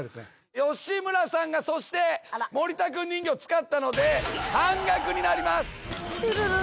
吉村さんがそして森田くん人形使ったので半額になります。